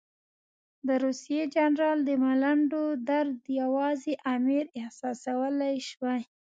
د روسي جنرال د ملنډو درد یوازې امیر احساسولای شوای.